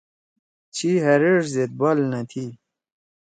چھی ہأریݜ زید بال نہ تھی۔